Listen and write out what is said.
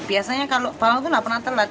biasanya kalau bawang itu nggak pernah telat